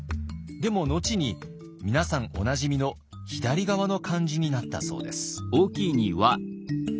でも後に皆さんおなじみの左側の漢字になったそうです。